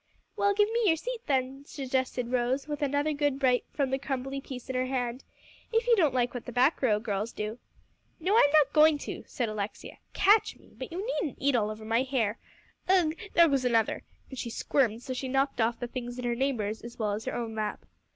"Well, give me your seat then," suggested Rose, with another good bite from the crumbly piece in her hand, "if you don't like what the back row girls do." "No, I'm not going to," said Alexia, "catch me! but you needn't eat all over my hair. Ugh! there goes another," and she squirmed so she knocked off the things in her neighbor's as well as her own lap.